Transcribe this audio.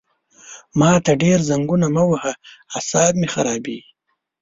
ما ته ډېر زنګونه مه وهه عصاب مې خرابېږي!